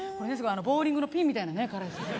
ボウリングのピンみたいな体ですけど。